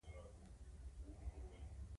سګریټ څکول د زړه د ناروغیو خطر زیاتوي.